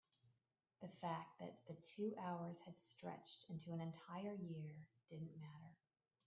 the fact that the two hours had stretched into an entire year didn't matter.